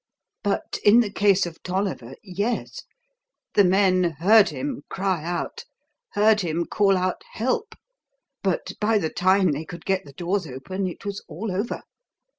"But in the case of Tolliver yes. The men heard him cry out, heard him call out 'Help!' but by the time they could get the doors open it was all over.